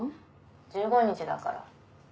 １５日だから。